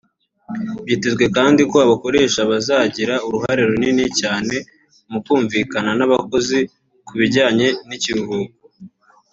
Byitezwe kandi ko abakoresha bazagira uruhare runini cyane mu kumvikana n’abakozi ku bijyanye n’ikiruhuko